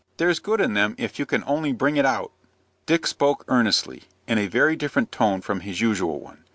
There's good in them if you can only bring it out." Dick spoke earnestly, in a very different tone from his usual one.